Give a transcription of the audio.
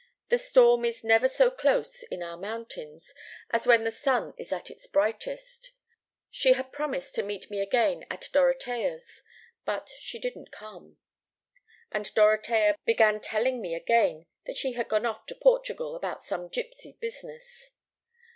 The storm is never so close, in our mountains, as when the sun is at its brightest. She had promised to meet me again at Dorotea's, but she didn't come. "And Dorotea began telling me again that she had gone off to Portugal about some gipsy business.